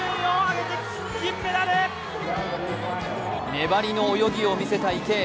粘りの泳ぎをみせた池江。